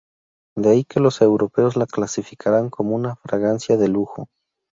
De ahí que los europeos la clasificaran como una fragancia de lujo.